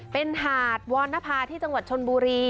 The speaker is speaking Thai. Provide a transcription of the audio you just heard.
เป็นหาดวรณภาที่จังหวัดชนบุรี